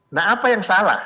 nah apa yang salah